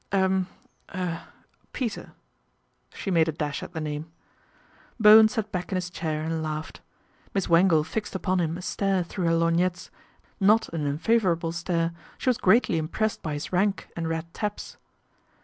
" Er er Peter," she made a dash at the name. Bowen sat back in his chair and laughed. Miss Wangle fixed upon him a stare through her lorgnettes, not an unfavourable stare, she was greatly impressed by his rank and red tabs.